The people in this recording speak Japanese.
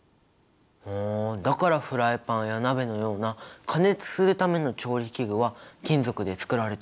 ふんだからフライパンや鍋のような加熱するための調理器具は金属でつくられてるんだね！